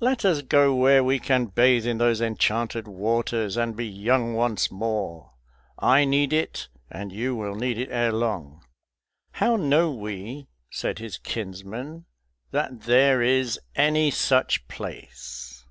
Let us go where we can bathe in those enchanted waters and be young once more. I need it, and you will need it ere long." "How know we," said his kinsman, "that there is any such place?"